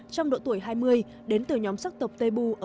trong độ tuổi hai mươi đến từ nhóm sắc tộc tê bù